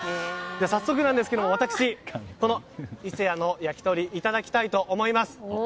早速なんですが私、このいせやの焼き鳥いただきたいと思います。